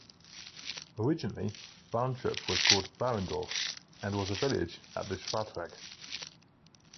Originally Barntrup was called Barendorf and was a village at the Schratweg.